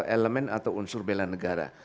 elemen atau unsur bela negara